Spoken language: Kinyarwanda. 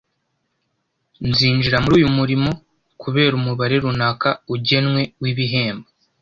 “Nzinjira muri uyu murimo kubera umubare runaka ugenwe w’ibihembo.